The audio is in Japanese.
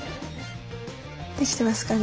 できてますかね？